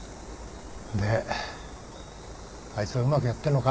であいつはうまくやってんのか？